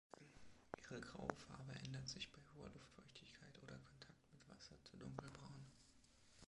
Ihre graue Farbe ändert sich bei hoher Luftfeuchtigkeit oder Kontakt mit Wasser zu dunkelbraun.